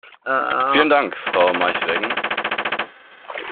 Vielen Dank, Frau Maij-Weggen.